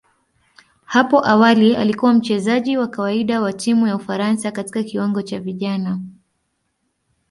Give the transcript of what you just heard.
Hapo awali alikuwa mchezaji wa kawaida wa timu ya Ufaransa katika kiwango cha vijana.